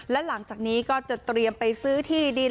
และหลังจากนี้ก็จะเตรียมไปซื้อที่ดิน